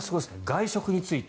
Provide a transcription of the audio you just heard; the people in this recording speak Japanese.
外食について。